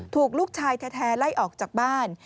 ถูกลูกชายแท้ไล่ออกจากบ้าน